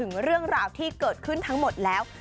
เรื่องราวที่เกิดขึ้นทั้งหมดแล้ว